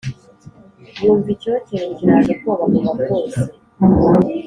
yumva icyokere kiraje ubwoba buba bwose